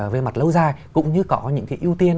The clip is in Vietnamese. về mặt lâu dài cũng như có những cái ưu tiên